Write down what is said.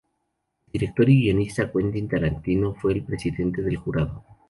El director y guionista Quentin Tarantino fue el presidente del Jurado.